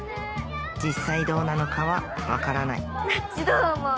実際どうなのかは分からないなっちどう思う？